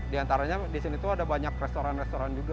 di antaranya di sini tuh ada banyak restoran restoran juga